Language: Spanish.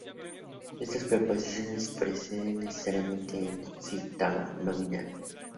Estas preposiciones preceden necesariamente a un sintagma nominal.